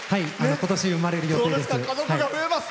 ことし生まれる予定です。